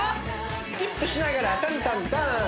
スキップしながらタンタンタン！